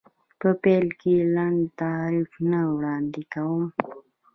په پیل کې لنډ تعریف نه وړاندې کوم.